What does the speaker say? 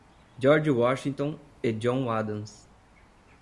George Washington e John Adams.